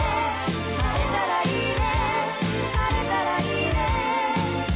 「晴れたらいいね」